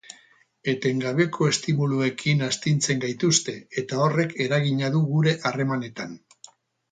Etengabeko estimuluekin astintzen gaituzte, eta horrek eragina du gure harremanetan.